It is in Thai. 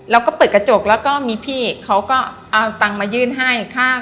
แล้วก็เปิดกระจกแล้วก็มีพี่เขาก็เอาตังค์มายื่นให้